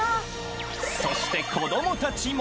そして子どもたちも。